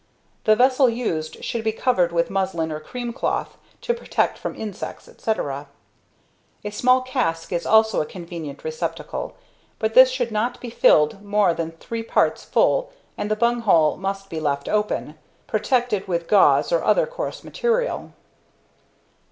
The vessel used should be covered with muslin or cream cloth, to protect from insects, etc. A small cask is also a convenient receptacle, but this should not be filled more than three parts full and the bung hole must be left open, protected with gauze or other coarse material.